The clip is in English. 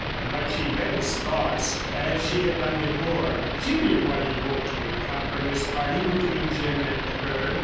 But she read his thoughts as she had done before: she knew what he hoped would come from this parting between Jim and her.